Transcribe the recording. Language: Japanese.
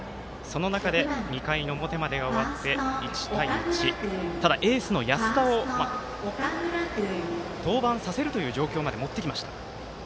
２回表まで終わって１対１、ただエースの安田を登板させるという状況まで持ってきました。